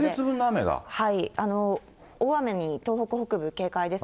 大雨に東北北部、警戒です。